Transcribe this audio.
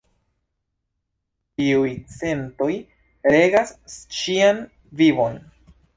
Tiuj sentoj regas ŝian vivon.